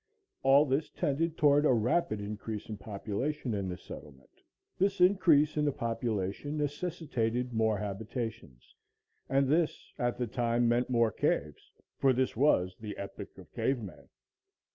All this tended toward a rapid increase of population in the settlement. This increase in the population necessitated more habitations, and this, at the time meant more caves, for this was the epoch of cave men.